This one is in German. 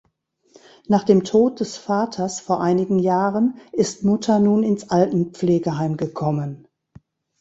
Nach dem Tod des Vaters vor einigen Jahren, ist Mutter nun ins Altenpflegeheim gekommen.